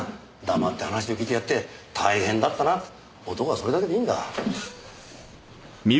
黙って話を聞いてやって大変だったなって男はそれだけでいいんだ。